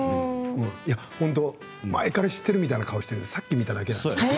本当前から知っているみたいな顔してるけどさっき見ただけなんだけど。